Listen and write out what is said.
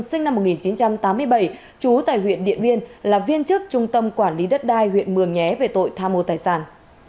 sinh năm một nghìn chín trăm tám mươi bảy trú tại huyện điện biên là viên chức trung tâm quản lý đất đai huyện mường nhé về tội tham mô tài sản